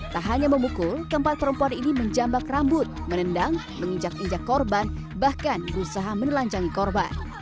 tak hanya memukul keempat perempuan ini menjambak rambut menendang menginjak injak korban bahkan berusaha menelanjangi korban